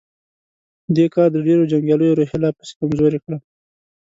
دې کار د ډېرو جنګياليو روحيه لا پسې کمزورې کړه.